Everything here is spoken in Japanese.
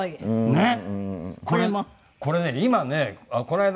ねっ！